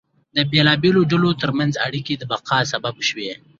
د بېلابېلو ډلو ترمنځ اړیکې د بقا سبب شوې.